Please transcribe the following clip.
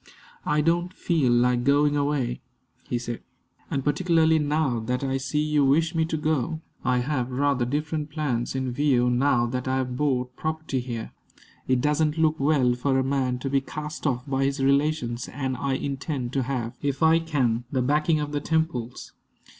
"I don't feel like going away," he said, "and particularly now that I see you wish me to go. I have rather different plans in view now that I have bought property here. It doesn't look well for a man to be cast off by his relations; and I intend to have, if I can, the backing of the Temples."